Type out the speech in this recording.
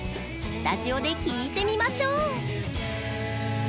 スタジオで聴いてみましょう。